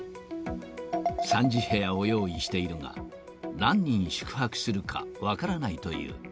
３０部屋を用意しているが、何人宿泊するか分からないという。